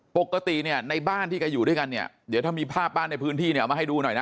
ปกติเนี่ยในบ้านที่แกอยู่ด้วยกันเนี่ยเดี๋ยวถ้ามีภาพบ้านในพื้นที่เนี่ยเอามาให้ดูหน่อยนะ